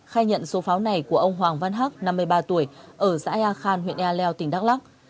khai nhận số pháo này của ông hoàng văn hắc năm mươi ba tuổi ở xã ea khàn huyện ea lèo tỉnh đắk lắc